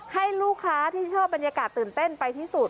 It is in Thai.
ให้ลูกค้าที่ชอบบรรยากาศตื่นเต้นไปที่สุด